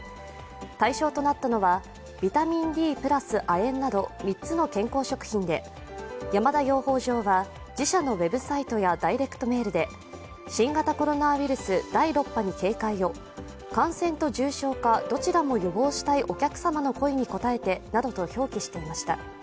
対象となったのはビタミンＤ＋亜鉛など３つの健康食品で山田養蜂場は、自社のウェブサイトやダイレクトメールで新型コロナウイルス第６波に警戒を感染と重症化、どちらも予防したいお客様の声に応えてなどと表記していました。